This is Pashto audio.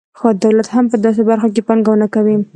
دولت هم په داسې برخو کې پانګونه کوي.